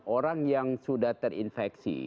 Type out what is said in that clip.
orang yang sudah terinfeksi